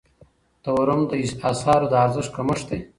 تورم د اسعارو د ارزښت کمښت دی.